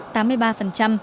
nâng cao chất lượng